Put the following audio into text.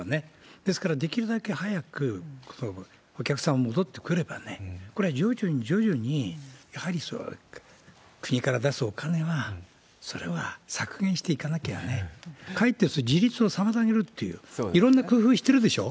ですから、できるだけ早く、お客さん戻ってくればね、これは徐々に徐々に、やはり国から出すお金は、それは削減していかなきゃね、かえってそれ、自立を妨げるっていう、いろんな工夫してるでしょ。